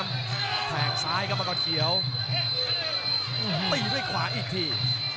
มังกรเขียวล็อกใน